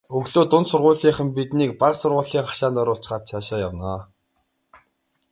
Өглөө дунд сургуулийнхан биднийг бага сургуулийн хашаанд оруулчихаад цаашаа явна.